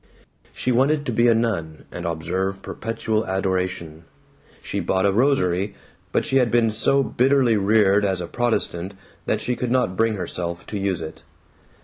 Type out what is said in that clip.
She wanted to be a nun and observe perpetual adoration. She bought a rosary, but she had been so bitterly reared as a Protestant that she could not bring herself to use it.